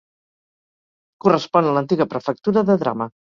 Correspon a l'antiga prefectura de Drama.